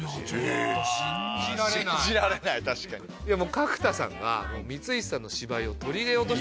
角田さんが光石さんの芝居を取り入れようとしてる。